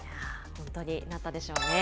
本当になったでしょうね。